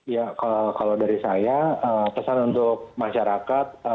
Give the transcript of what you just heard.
ya kalau dari saya pesan untuk masyarakat